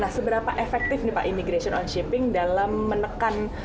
nah seberapa efektif nih pak imigration on shipping dalam menekan